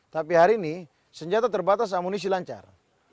tapi hari ini senjata terbatas amunisi lancar